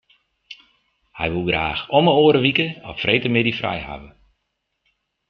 Hy woe graach om 'e oare wike op freedtemiddei frij hawwe.